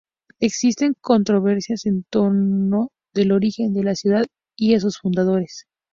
Existen controversias en torno al origen de la ciudad y a sus fundadores.